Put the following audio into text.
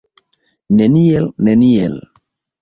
Neniel, neniel!